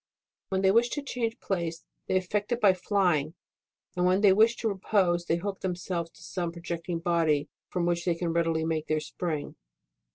When they wish, to change place, they effect it by flying, and when they wish to repose, they hook themselves to some projecting body from which they can readily make their spring.